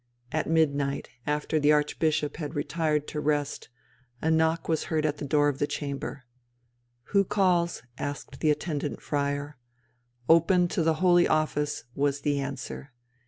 At midnight, after the Archbishop had retired to rest, a knock was heard at the door of the chamber. "Who calls?" asked the attendant friar. "Open to the Holy Office," was the answer.